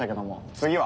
次は。